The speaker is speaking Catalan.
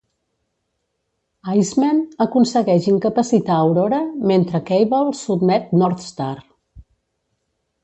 Iceman aconsegueix incapacitar Aurora mentre Cable sotmet Northstar.